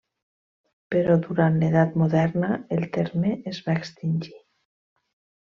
Però durant l'edat moderna el terme es va extingir.